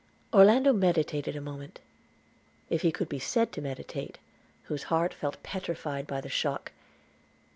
Orlando meditated a moment; if he could be said to meditate, whose heart felt petrified by the shock.